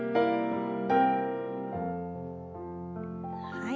はい。